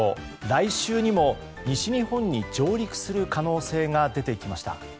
来週にも西日本に上陸する可能性が出てきました。